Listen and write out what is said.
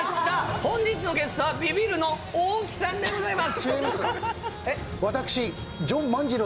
本日のゲストはビビるの大木さんでございます。